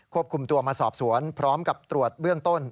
คุมตัวมาสอบสวนพร้อมกับตรวจเบื้องต้น